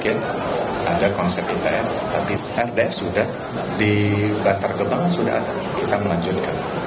di sekitar bukit ada konsep itf tapi rdf sudah di batar gebang sudah ada kita melanjutkan